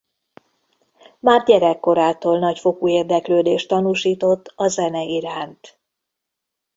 Már gyerekkorától nagyfokú érdeklődést tanúsított a zene iránt.